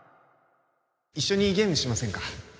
一緒にゲームしませんか？